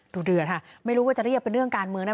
ดูเดือดค่ะไม่รู้ว่าจะเรียกเป็นเรื่องการเมืองนะ